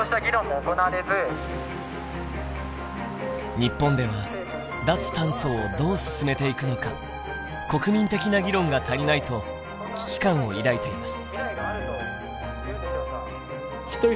日本では脱炭素をどう進めていくのか国民的な議論が足りないと危機感を抱いています。